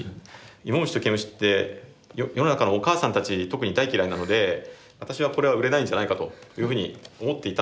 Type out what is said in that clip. イモムシとケムシって世の中のお母さんたち特に大嫌いなので私はこれは売れないんじゃないかというふうに思っていたんです。